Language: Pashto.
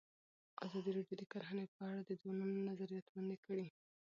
ازادي راډیو د کرهنه په اړه د ځوانانو نظریات وړاندې کړي.